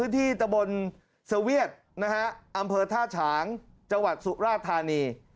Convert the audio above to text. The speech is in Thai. ที่ตะบนเสเวียดนะฮะอำเภอท่าฉางจังหวัดสุราธานี